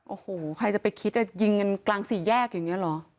โอ้โหใครจะไปคิดยิงกันกลางสี่แยกอย่างนี้เหรอ